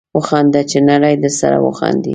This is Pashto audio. وخانده چې نړۍ درسره وخاندي